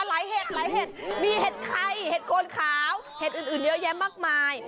อะไรเห็ดอะไรเห็ดมีเห็ดใครเห็ดโคนขาวเห็ดอื่นอื่นเยอะแยะมากมาย